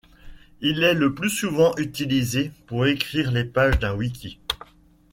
Il est le plus souvent utilisé pour écrire les pages d'un wiki.